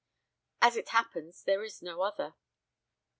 "As it happens there is no other."